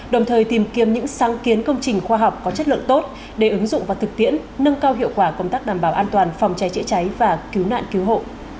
đồng thời tìm kiếm những sáng kiến công trình khoa học có chất lượng tốt để ứng dụng và thực tiễn nâng cao hiệu quả công tác đảm bảo an toàn phòng cháy chữa cháy và cứu nạn cứu hộ